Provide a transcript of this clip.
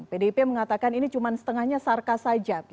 pdip mengatakan ini cuma setengahnya sarka saja